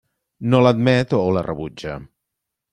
No l'admet o la rebutja.